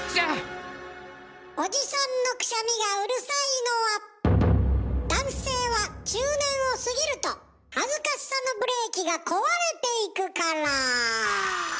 おじさんのくしゃみがうるさいのは男性は中年を過ぎると恥ずかしさのブレーキが壊れていくから。